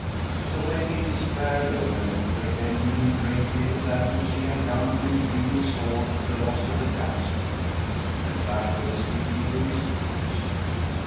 So when he despaired of them, repenting him greatly of that which he had done and grieving sore for the loss of the damsel, he went back to the city with his troops.